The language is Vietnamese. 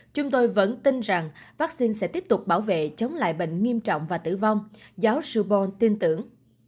chúng tôi vẫn tin rằng vaccine sẽ tiếp tục bảo vệ chống lại bệnh nghiêm trọng và tử vong giáo sưubon tin tưởng